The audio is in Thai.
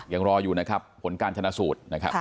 ยังรออยู่นะครับผลการชนะสูตร